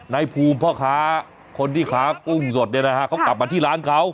นายภูมิพ่อค้าคนที่ค้ากุ้งสดเนี่ยนะฮะเขากลับมาที่ร้านเขา